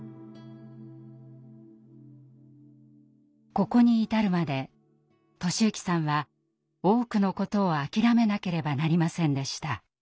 ここに至るまで寿之さんは多くのことを諦めなければなりませんでした。